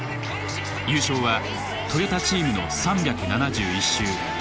優勝はトヨタチームの３７１周。